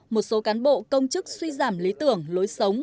một số cán bộ công chức suy giảm lý tưởng lối sống